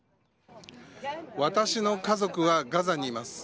私の家族はガザにいます。